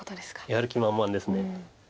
やる気満々です。